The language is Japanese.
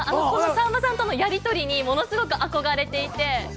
さんまさんとのやり取りにものすごく憧れていて。